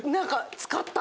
使ったわ。